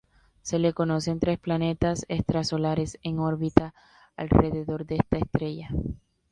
Se le conocen tres planetas extrasolares en órbita alrededor de esta estrella.